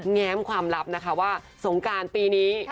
แง้มความลับนะคะว่าสงการปีนี้